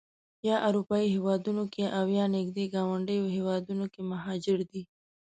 یا اروپایي هېوادونو کې او یا نږدې ګاونډیو هېوادونو کې مهاجر دي.